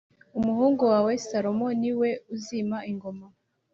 umuhungu wawe salomo ni we uzima ingoma